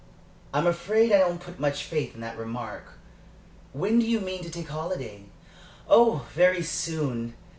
"I am afraid I don't put much faith in that remark. When do you mean to take a holiday?" "Oh, very soon.